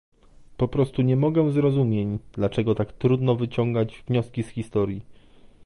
Po prostu nie mogę zrozumień, dlaczego tak trudno wyciągać wnioski z historii